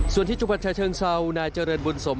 ส่วนที่จุภัทรเชิงเซานายเจริญบุญสม